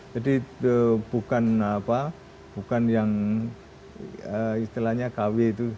jadi bukan apa bukan yang istilahnya kw itu